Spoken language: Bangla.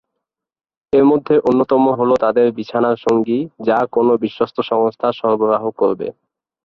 এরমধ্যে অন্যতম হলো তাদের বিছানার সঙ্গী, যা কোন বিশ্বস্ত সংস্থা সরবরাহ করবে।